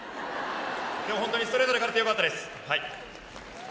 本当にストレートで勝てて良かったです。